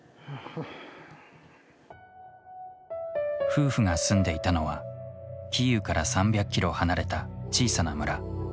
夫婦が住んでいたのはキーウから３００キロ離れた小さな村。